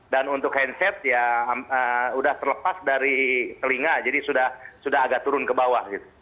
dan untuk handset ya sudah terlepas dari telinga jadi sudah agak turun ke bawah